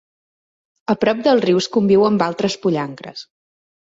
A prop dels rius conviu amb altres pollancres.